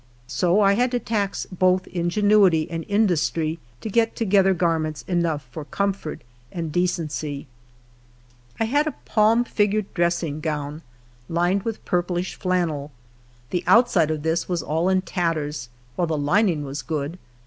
So I had to tax both inge nuity and industry to get together garments enough tor comfort and decency. I had a palm tigured dressing gown, lined with purplish tiannel; the outside of this was all in tatters, while the lining was good.